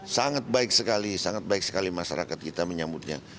sangat baik sekali sangat baik sekali masyarakat kita menyambutnya